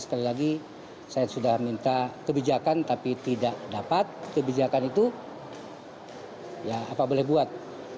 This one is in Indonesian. sekali lagi saya sudah minta kebijakan tapi tidak dapat kebijakan itu ya apa boleh buat